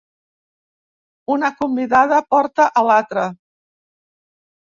Una convidada porta a l'altra.